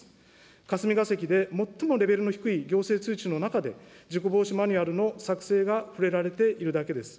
霞が関で最もレベルの低い行政通知の中で、事故防止マニュアルの作成が触れられているだけです。